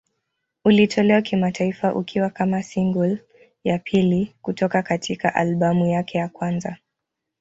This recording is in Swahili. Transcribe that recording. Ulitolewa kimataifa ukiwa kama single ya pili kutoka katika albamu yake ya kwanza.